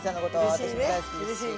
私も大好きですし。